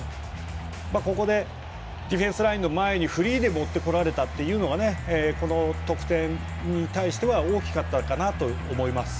ここでディフェンスラインでフリーで持ってこれたというのがこの得点に対しては大きかったかなと思います。